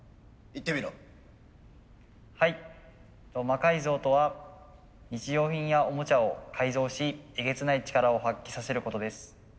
魔改造とは日用品やオモチャを改造しえげつない力を発揮させることです。